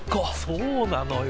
そうなのよ。